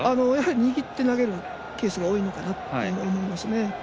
握って投げるケースが多いのかなと思いますね。